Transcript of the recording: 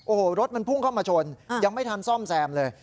โอ้โหรถมันพุ่งเข้ามาชนยังไม่ทันซ่อมแซมเลย